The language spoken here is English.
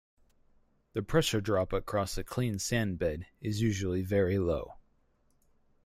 The pressure drop across a clean sand bed is usually very low.